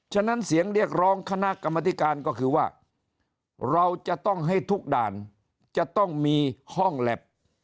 ฉะนั้นเสียงเรียกร้องคณะกรรมธิการก็คือว่าเราจะต้องให้ทุกด่านจะต้องมีห้องแล็บ